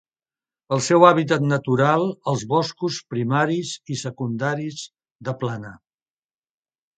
El seu hàbitat natural els boscos primaris i secundaris de plana.